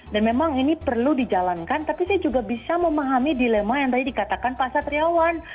dan memang ini perlu dijalankan tapi saya juga bisa memahami dilema yang tadi dikatakan pak satriawan